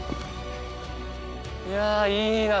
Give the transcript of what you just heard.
いやいいな。